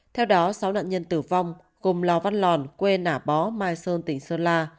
theo đó sáu nạn nhân tử vong cùng lò văn lòn quê nả bó mai sơn tỉnh sơn la